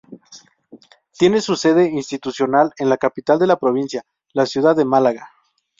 Tiene su sede institucional en la capital de la provincia, la ciudad de Málaga.